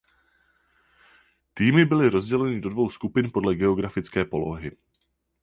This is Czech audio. Týmy byly rozděleny do dvou skupin podle geografické polohy.